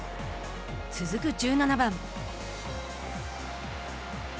続く１７番。